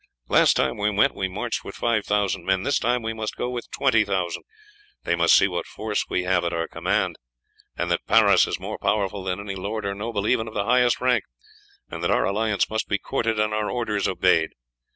Last time we went, we marched with five thousand men; this time we must go with twenty thousand. They must see what force we have at our command, and that Paris is more powerful than any lord or noble even of the highest rank, and that our alliance must be courted and our orders obeyed.